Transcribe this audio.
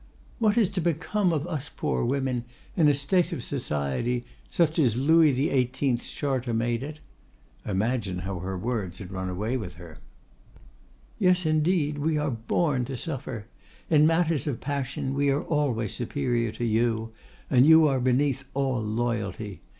—'What is to become of us poor women in a state of society such as Louis XVIII.'s charter made it?'—(Imagine how her words had run away with her.)—'Yes, indeed, we are born to suffer. In matters of passion we are always superior to you, and you are beneath all loyalty.